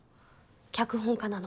脚本家なの。